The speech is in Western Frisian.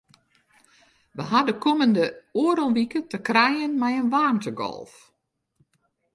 Wy hawwe de kommende oardel wike te krijen mei in waarmtegolf.